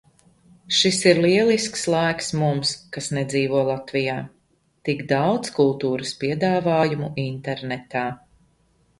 Šis ir lielisks laiks mums, kas nedzīvo Latvijā. Tik daudz kultūras piedāvājumu internetā.